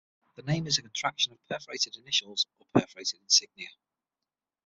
The name is a contraction of perforated initials or perforated insignia.